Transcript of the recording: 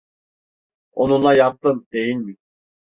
Onunla yattın, değil mi?